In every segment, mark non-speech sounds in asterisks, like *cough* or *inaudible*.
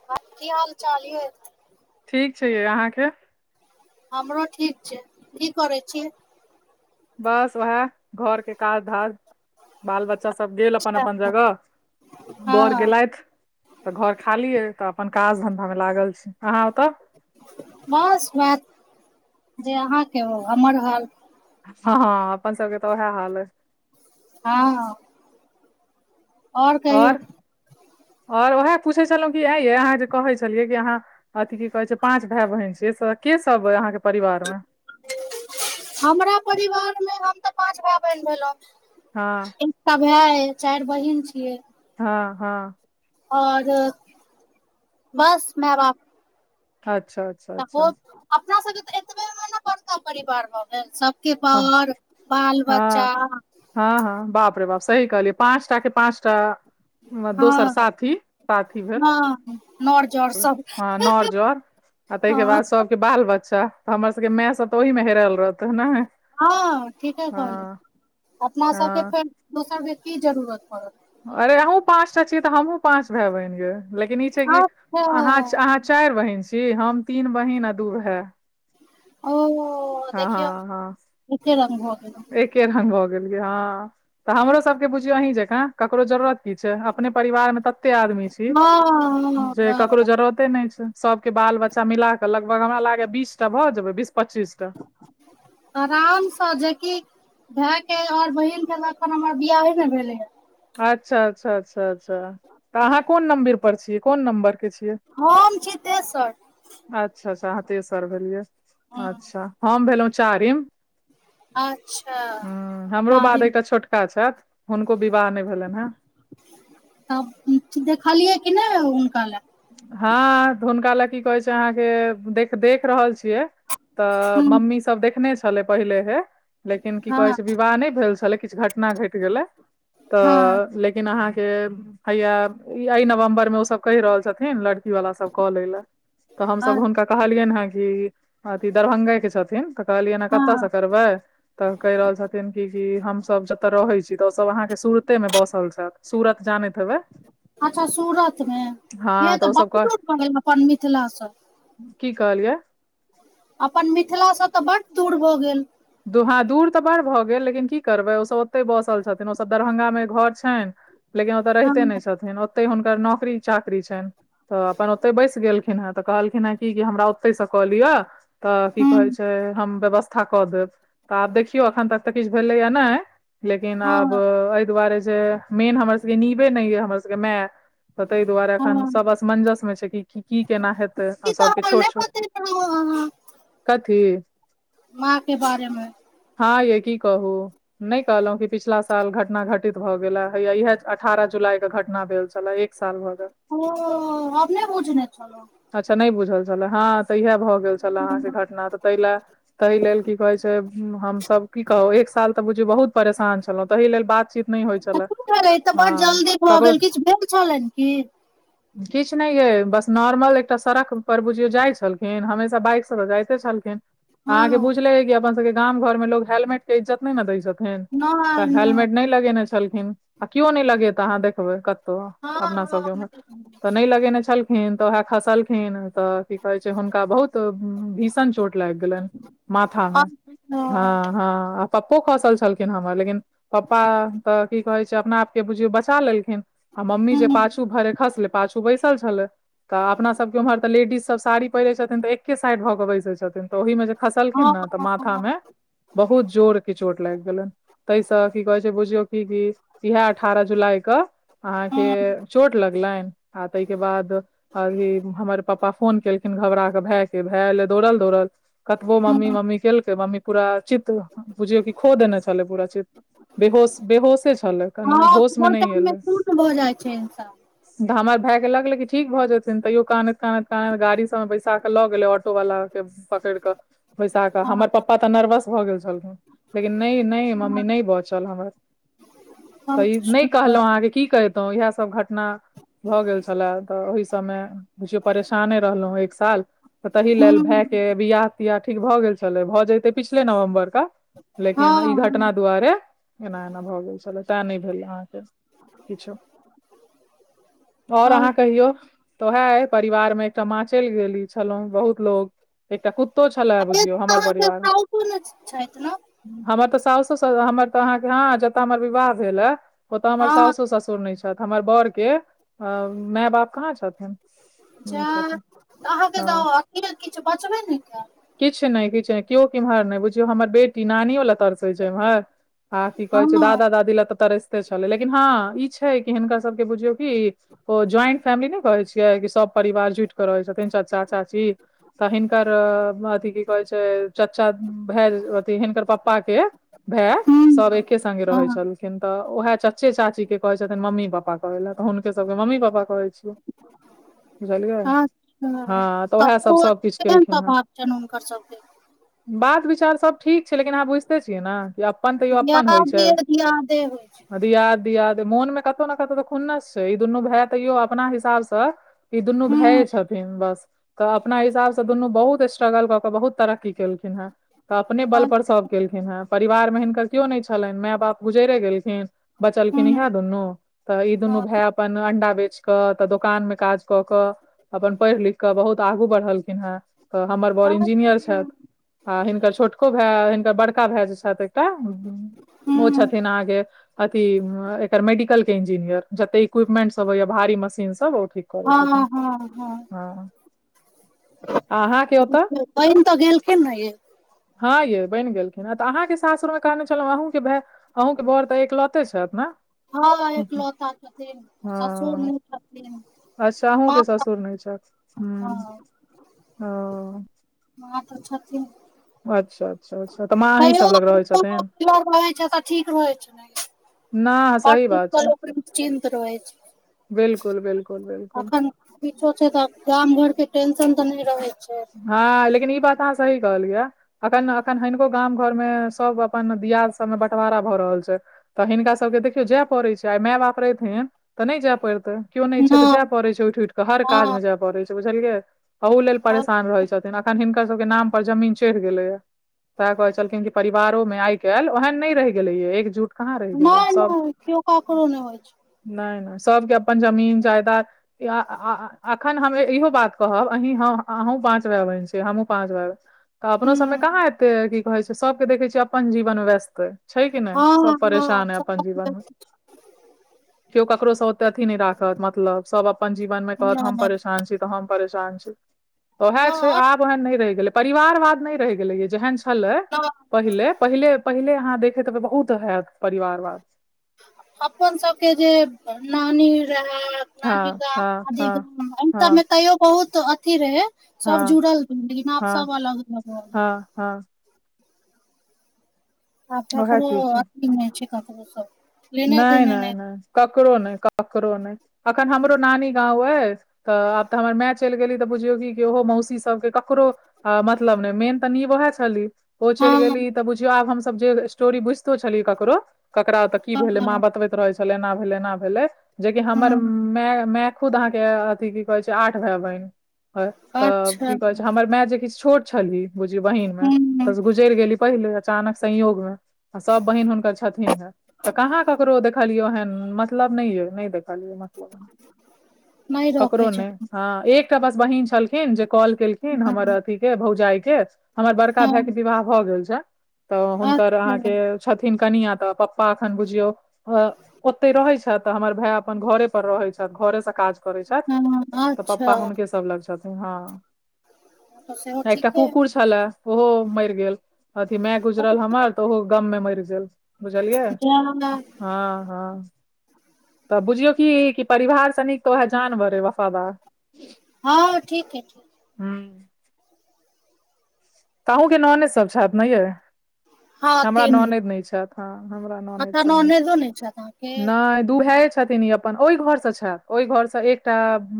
*unintelligible* की हाल चाल यै ठीक छै यै अहाँके हमरो ठीक छै की करै छि बस वएह घर के काज धाज बाल बच्चा सब गेल अपन अपन अच्छा, जगह बर हँ गेलथि तऽ घर खालियै तऽ अपन काज धंधा मे लागल छी अहाँ ओतऽ बस *unintelligible* जे अहाँके ओ हमर हाॅल हँ हँ अपन सबके तऽ उएह हाल अय हँ और कहियौ आओर आओर उएह पूछै छलौं कि आँ यै अहाँ जे कहै छलियै कि अहाँ अथि की कहै छै पाँच भाएय बहिन छै के सब अय अहाँ के परिवार मे हमरा परिवार मे हम तऽ पाँच भाए बहिन भेलौं हँ एकटा भाए अई चार बहिन छियै हँ हँ आओर बस मैय बाप अच्छा अच्छा अच्छा तऽ अपना सबके तऽ एतबेमे न पड़ता परिवार भऽ गेल हँ सब *unintelligible* बाल हँ बच्चा हँ हँ बाप रे बाप सही कहलियै पाँचटा के पाँचटा दोसर साथी साथी भेल हँ हँ न र हँ नर जर आ तैके हँ बाद सबके बाल बच्चा त हमर सबके माय सब तऽ ओहि मे हेरएल रहतै नाय हँ ठीके कहली अपना सबके हँ फेर दोसर के की जरूरत पड़त अरे अहूँ पांचटा छीयै तऽ हमहुँ पांच भाय बहिन य लेकिन ई छै कि अच्छा अहाँ अहाँ चारि बहिन छी हम तीन बहिन आ दू भाय ओ हँ देखियो हँ हँ एके रंग भ गेलै एके रंग भ गेले हँ तऽ हमरो सबके बुझियो अहीं जकाँ ककरो जरूरत की छै अपने परिवार मे तते आदमी छी हँ हँ जे वैह ककरो वला जरूरते नै छै सबके बाल बच्चा मिलाक लगभग हमरा लागय बीस टा भए जेबै बीस पच्चीस टा आराम स जेकि भाए के आओर बहिन के लखन हमर बियाही मे भेले या अच्छा अच्छा अच्छा अच्छा तऽ अहाँ कोन नम्बिर पर छीयै कोन नंबर के छीयै हम छीयै तेसर अच्छा अच्छा आहाँ तेसर भेलियै हँ अच्छा हम भेलौं चारिम अच्छा हूँ हमरो शादी बाद एकटा छोटका छैथ हुनको विवाह नै भेलैन हेँ तब ठीक छी देखलियै कि नै हुनका लए हँऽ त हुनका लेए की कहै छै अहाँ के देख देख रहल छी छिय तऽ हूँ मम्मी सब देखने छलै पहिले हे लेकिन की हँ कहै छै विवाह नै भेल छलै किछ घटना घटि गेलै हँ तऽ लेकिन अहाँके हैया एहि नवम्बर मे ओ सब कहि रहल छथिन लड़की वाला सब कऽ लै लए तऽ हमसब अ हुनका कहलियनि हँ कि अथी दरभ्ंगेके के छथिन तऽ कहलियै हाँ हँ कतयसँ करबै तऽ कहि रहल छथिन कि की हमसब जत रहै छी ओ सब अहाँके सूरते मे बसल छथ सूरत जानैत हेबै अच्छा सूरत मे हँ यै तऽ ओसभ बहुत कह दूर भगेल अपन मिथिला स की कहलियै अपन मिथिलासँ तऽ बड दूर भऽ गेल दूर हँ दूर तऽ बड़ भऽ गेल लेकिन की करबै ओसब ओतै बसल छथिन ओसब दरभंगामे घर छैन लेकिन ओतय हँ रहिते नै छथिन ओते हुनकर नौकरी चाकरी छैन तऽ अपन ओतय बैसि गेलखिन हेँ तऽ कहलखिन हेँ कि की हमरा ओतहिसँ कऽ लिअ तऽ की हँ कहै छै हम व्यवस्था कऽ देब तऽ आब देखियौ एखन तक तऽ किछ भेलैया नय लेकिन आब हँ एहि दुआरे जे मेन हमर सबके निबे नै यै हमर सबके माए तऽ ताहि दुआरे एखन हँ सब असमंजस मे छै कि की केना हेतै आ सबके छोट छोट ह ह *unintelligible* कथी माँ के बारेमे हँ यै की कहू नै कहलौं कि पिछिला साल घटना घटित भऽ गेलए हैया इएह अठारह जुलाई क घटना भेल छलए एक साल भऽ गेल ओ अपने बुझने छलौं अच्छा नै बुझल छलए हँ तऽ इह भऽ गेल छलए अहाँके घटना तऽ तैलए तहि लेल की कहै छै *unintelligible* हम सब की कहों एक साल त बुझियौ त बहुत परेशान छलौं तहि लेल बात की करै तऽ बड जल्दी भऽ ककरो गेल किछु भेल छलन की किछु नहि ये बस नॉर्मल एकटा सड़क पर बुझियो जाइ छलखिन हमेशा बाइक से तऽ जायते छलखिन हँ अहाँके बुझले अइ कि अपन सबके के गाम घर मे लोग हेलमेट के इज्जत नहि ने दै छथि नहि तऽ नहि हेलमेट नय लगेने छलखिन आ केओ नय लगेत अहाँ देखबै कतौ हँ अपना हँ सबके उमहर नहि तऽ अच्छा नय लगेने छल न तऽ उएह खसलखिन तऽ की कहे छै हुनका बहुत त भीषण चोट लागि गेलन माथा मे ह हूँ हँ आ पप्पो खसल छलखिन हमर लेकिन पप्पा तऽ की कहै छै अपना आपके बुझियौ बचा लेलखिन आ मम्मी जे पाछू भरे खसले पाछू बैसल छले तऽ अपना सब के उम्हर तऽ लेडीज सब साड़ी पहिरै छथिन तऽ एके साइड भऽ बैसै छथिन तऽ ओहिमे जे फसलखिन हँ ने तऽ मा हँ बहुत जोरके चोट लागि गेलन तास की कहै छै बुझियौ की क इह अठारह जुलाई के अहाँके हँ चोट लगलनि आ ताहिके बाद अभी हमर पापा फोन केलखिन घबरा कऽ भायके भाय आएल दौड़ल दौड़ल कतबो मम्मी मम्मीे केलक ममी पूरा चित्त बुझियो की खो देने छल पुरा चित्त बेहोस बेहोसे छै छल कने हँ होस मे ओहि नय होशमे नहि टाइम एलै शून्य भऽ जाइ छै इंसान आ हमर भाय के लगलै कि ठीक भऽ जेथिन तैयो कानैत कानैत कानैत गाड़ी सब मे बैसाक लऽ गेलै ऑटो वालला के पकैड़ कऽ बैसा कऽ हमर हँ पप्पा तऽ नर्वस भऽ गेल छलखिन लेकिन नय नय मम्मी नय बचल हमर तऽ हँ ई नहि अच्छा कहलहुँ अहाँके की कहितौ इएहसभ घटना भऽ गेल छलै तऽ ओहि सबमे बुझियौ परेशाने रहलौ एक साल तऽ तहि लेल हूँ भएके बियाह तियाह ठीक भऽ गेल छलै भऽ जतै पिछले नवम्बर क लेकिन हँ ई हँ घटना दुआरे एना एना भऽ गेल छलै तैं नय भेल अहाँके किछो ओर आओर अहाँ कहियौ तऽ उएह परिवार मे एकटा मां चैल गेली छलहुँं बहुत लोग एकटा कु तो छलै बझियौ हमर अहाँ के परिवार साउसो नइ छैथ न हमर तऽ सााउसो स हमर तऽ अहाँके हँ जतऽ हमर विवाह भेल हे ओतऽ हमर हँ साउसो ससुर नय छथि हमर बर के अ माय बाप कहाँ छथिन जा नहि छथिन अहाँके हँ त अथी किछ बचबे ने कैल किछ नहि किछ नहि केओ किम्हर नहि बुझियौ हमर बेटी नानियो ल तरस सै छै इम्हर आ आथी हँ कहे छै दादा दादी ले त तरैस्ते छलै लेकिन हँ ई छै कि हिनकर सबके बुझियौ कि ओ ज्वाइंट फैमिली नहि कहै छियै कि सब परिवार जुइट क रहै छथिन चाचा चाची तऽ हिनकर चाचा भए अथी हिनकर प्पपा के भाय सभ हुँ एके संगे रहै हँ छलखिन तऽ उएह च चच्चे चाची के कहे छथिन मम्मी पापा कहे ले तऽ हुनके सबके के ममी पापा कहे छी बुझलियै अच्छा हँ तऽ उएह सब सबकिछ केलखिन हेँ जानूँ हुनकार सब दिन बात विचार सब ठीक छै लेकिन अहाँ बुझिते छियै न कि अपन तैयो अपन होइ छै दियादे दियादे होइ छै दियाद दियाद मोन मे कतो न कतो तऽ खुन्नस छै ई दुनू भाय तैयो अपना हिसाबसँ ई दुनू हुँ भाये छथिन बस तऽ अपना हिसाब से दुनू बहुत स्ट्रगल कऽ क बहुत तर की केलखिन हे तऽ अपने बल अ पर सब केलखिन हेँ परिवार मे हिनकर केओ नहि छलनि माय बाप गुजैरे गेलखिन बचलखिन हुँ इहे दुनू तऽ ई दुनू हँ भाय अपन अंडा बेच क तऽ दोकान मे काज कऽ कऽ अपन पढ़ि लिख कऽ बहुत आगू बढ़लखिन हेँ तऽ हमर बड़ इंजीनियर अच्छा छैथ आ हिनकर छोटको भाय हिनकर बड़का भाय जे छेथ एक टा ओ हुँ छथिन अहाँ के अथी एकर मेडिकल के इंजीनियर जते इक्विपमेंट सब होइए भारी मशीन सब ओ ठीक करै छथिन हँ हँ हँ अ अहाँ के ओतऽ बहिन तऽ ग गेलेलख न ये हँ ये बनि गेलखिन ह तऽ अहाँके सासुरमे कहने छलहुँ अहूँके भाय अहूँके बर तऽ एक लते छथि ने हँ एक लोता छथिन ससुर हँ न छथिन अच्छा अहूँ के माँ ससुर नहि छ हँ ह ओ ह तऽति छथिन अच्छा अच्छा अच्छा तऽ माँ अहीं तैयो सब लग रहै छथिन *unintelligible* ठीक रहै छै न प सही बात छै *inaudible* निश्चिन्त रहै छै बिल्कुल बिल्कुल बिल्कुल अखन किछो छै तऽ गाम घर के टेंशन तऽ नहि रहे छै हँ लेकिन ई बात अहाँ सही कहलियै या अखन अखन हनिको गाम घर मे सबक अपन दियाद सबमे बँटवारा भऽ रहल छै तऽ हिनका सभके देखियौ जाय पड़ैत छै आइ माय बाप रैतहीन तऽ नहि जाय पड़तै केो नहि छै तऽ जाय पड़ै छै उठि उठि कऽ हर काज हँ मे जाय पड़ै छै बुझलियै अहु लेल परेशान रहैत छथिन अखन हिनकर सबके नाम पर जमीन चढ़ि गेलैया तें कहे छलखिन कि परिवारों आइ काल्हि ओहेन नहि रहि गेलेये एकजुट कहाँ रहि गेलै नहि सब नहि केओ ककरो नहि होइ छै नहि नहि सबके अपन जमीन जायदा य अखन हम इहो बात कहब अहीं ह आ हमँ पाँचवया बहिन छी हमू पाँच भाई तऽ अपनो सबमे हँ कहाँ एतै की कहे छै सबके देखे छियै अपन जीवन व्यस्त ह छै कि नहि सब हँ परेशान है अपन जीवन मे केओ ककरोसँ अथी नहि राखत मतलब सब अपन जीवन मे कहत हम परेशान छी तऽ हम परेशान छी तऽ ओह छै हँ आब ओहन नहि रहि गेलै परिवारवाद नहि रहि गेलै य जेहन छलै तऽ *unintelligible* पहिले पहिले पहिले अहाँ देखैत बहुत हयत परिवारवाद अपन सबके जे नानी रहै नानी हँ गाम हँ आदी हँ गाम ए हँ सबमे तैयो बहुत अथी रहे सब हँ जुड़ल रह लेकिन आप हँ सब अलग अलग भ रहल हँ हँ आ ओएह चीज को छै *unintelligible* छेका *unintelligible* नहि नहि नहि ककरो नहि ककरो नहि अखन हमरो नानी गाँंव अ तऽ आब तऽ हमर माय चलि गेली तऽ बुझियौ कि कि ओहो मौसी सभके ककरो आ मतलब ने मेन तऽनीव एह छली ओ चलि हँ गेली तऽ बुझियौ आब हमसभ जे स्टोरी बुझितो छलिय ककरो ककरा त की भेले माँ हँ बतबैत रहे छल एना भेले एना भेले जेकि हमर हँ मे मे खुद अहाँके अथिी की कहै छै आठ भाय बहिन तऽ तऽ अच्छा की कहै छै हमर माए जे किछ छोट छली बुझियौ बहिन ओकरा हँ सऽ गुजेर गेली पहिले अचानक संयोगमे आ सब बहिन हुनकर छथिन तऽ कहाँ ककरो देखलियो हन मतलब नहि यौ नहि देखलियौ नहि रखै ककरो छै नहि हाँ एक एकटा पास बहिन छलखिन जे कॉल केलखिन हमर हँ अथीके भौजाइके हमर बड़का भाइके हँ विवाह भए गेल छै तऽ हुनकर अच्छा अहाँके छथिन कनियाँ तऽ प- -पा एखन बुझियौ ए-ओते रहै छथि तऽ हमर भाइ अपन घरे पर रहै छथि घरे से काज करै छथि हँ तऽ पप्पा अच्छा हुनके सब लग छथिन हाँ तऽ सेहो एकटा ठीके कुकुर छलाए ओहो मरि गेल अथि माए गुजरल हमर तऽ ओहो गममे मरि गेल जे हमरा हाँ हाँ तऽ बुझियौ की परिवार सऽ नीक तऽ वहाए जानवर वफादार हाँ ठीक हइ ठीक हूँ तऽ अहूँके ननैद सभ छथि ने येऽ हँ हमरा तीन गो ननैद नहि छथि हाँ हमरा ननैद एतऽ सब नै छथि ननैदो छैथ अहाँके नहि दू भाइए छथिन इ अप- अपन ओहि घर से छै ओहि घर से एकटा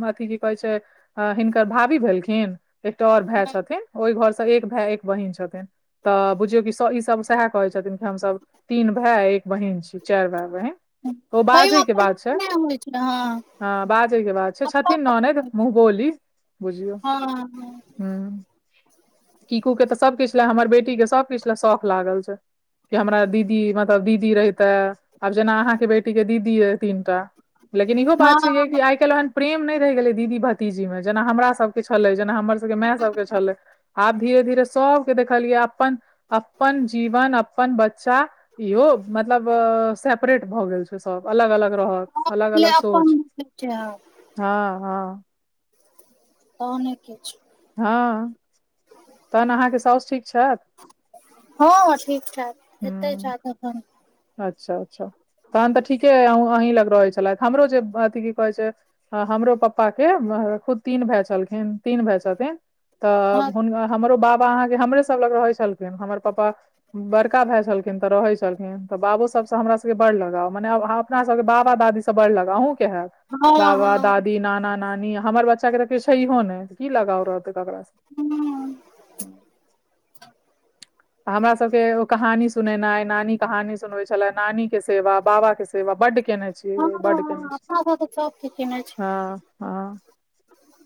अथि की कहै छै अ हिनकर भाभी भेलखिन एकटा आओर भाइ हँ छथिन ओहि घर सब एक भाइ एक बहिन छथिन तऽ बुझियौ कि ई सब सहाए कहै छथिन की हमसभ तीन भाइ एक बहिन छी चारि भाइ बहिन ओ तैयो बाजेके बात छै *unintelligible* हाँ बाजैके बात छै अपन छथिन ननैद अपन मुँह बोली बुझियौ हँ हूँ कीकूके तऽ सब किछु लाए हमर बेटीके सब किछु लाए शौख लागल छै कि हमरा दीदी मतलब दीदी रहिताऽ आब जेना अहाँके बेटीके दीदी यए तीनटा लेकिन इहो बात हँ छै कि हँ आइ काल्हि एहन प्रेम नहि रहि गेलै हन दीदी भतीजीमे जेना हमरा सब के छलै जेना हमर सबके माए सबके छलै आब धीरे धीरे सबके देखलियै अपन अपन जीवन अपन बच्चा इहो मतलब सेपरेट भऽ गेल छै सभ अलग अलग रहत अलग पहिले अलग अपन सोच होइ छै हँ हाँ हाँ तऽने के छै हाँ तहन अहाँके साउसु ठीक छथि हाँ ठीक छथि एते हूँ छथि एखन अच्छा अच्छा तहन तऽ ठीके अइ अन्हु-अहीं लंग रहै छलथि हमरो जे अथि की कहै छै हाँ हमरो पप्पाके खुद तीन भाइ छलखिन तीन भाइ छथिन तऽ हँ हुन- हमरो बाप पा अहाँके हमरे सब लंग रहै छलखिन हमर पापा बड़का भाइ छलखिन तऽ रहै छलखिन तऽ बाबो सबसँ हमरा सबके बड़ सबकें लगाव मने अपना सबके बाबा दादी सब बड़ लगाव अहूँके हायैत हँ बाबा हँ दादी नाना नानी हमर बच्चाके तऽ कियो छहो नहि की लगाव रहतै ककरा सऽ हाँ हमरा सबके ओ कहानी सुनेनाइ नानी कहानी सुनवै छलै नानीके सेवा बाबाके सेवा सेवा बड्ड केने हँ छी बड्ड केने हँ छी अपना सब तऽ सबके केने छै हाँ हाँ *unintelligible*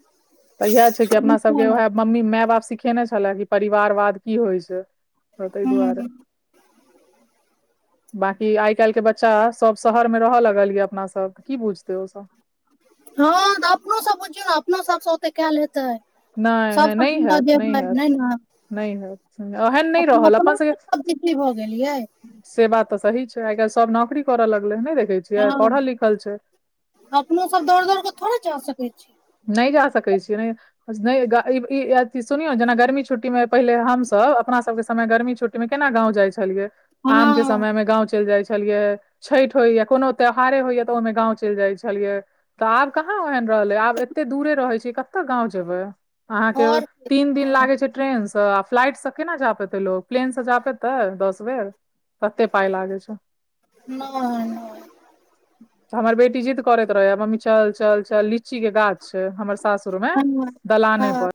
तऽ इहाए छै कि अपना नीको सबके उहाए लागै मम्मी माए बाप सिखेने छलाह कि परिवारवाद की होइ छै ह तैं दुआरे *inaudible* बाँकी आइ काल्ह के बच्चा सब शहर मे रहय लगल ये अपना सब की बुझते ओ सब हँ तऽ अपनो सब बुझियौ ने अपनो सबसँ ओते कैयल हेतै नय नै सबसँ नय जिनका हैत नय जेबै हैत नै ने नय हैथ एहन नय अपनो रहल अपन अपनो सभके सब बिजी भऽ गेलियै से बात तऽ सही छै आइ काल्ह सब नौकरी करऽ लगलै है नय देखे छियै हँ पढ़ल लिखल छै अपनो सब दौड़ दौड़ केऽ थोड़े जा सकैत छी नय जा सकै छी नय *unintelligible* अथि सुनियौ जेना गर्मी छुट्टी मे पहिले हमसभ अपना सबके समय गर्मी छुट्टी ऐमे केना गांव जाइ छलियै आम के हँ समय में गांव चल जाइ छलियै छठि होइए कोनो त्यौहारे होइए तऽ ओहिमे गाँव चैल जाइ छलियै तऽ आब कहाँ ओहन रहलै आब एते दूरे रहै छीय कत गाँव जेबै अहाँके घर के तीन दिन लागै छै ट्रेन से आ फ्लाइट से केना जा पेतै लोग प्लेन से जा पेतै दस बेर तते पाय लागे छै नय नय त हमर बेटी जिद करैत रहे है मम्मी चल चल चल लीची के गाछ छय हमर सासुर मे हँ दलाने हँ। पर